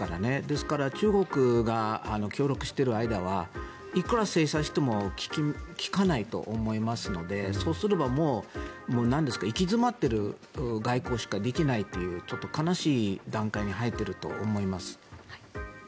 ですから中国が協力している間はいくら制裁しても効かないと思いますのでそうすればもう行き詰まってる外交しかできないというちょっと悲しい段階に入っていると思います。